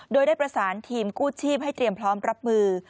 โดยได้ประสานทีมกู้ชีพให้เตรียมพร้อมรับมือ